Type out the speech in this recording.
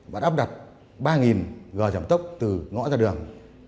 và đắp đặt ba gờ giảm tốc từ ngõ ra đường